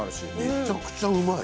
めちゃくちゃうまい！